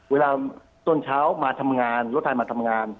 เวลาต้นเช้ามาทำงานรถไทยมาทำงาน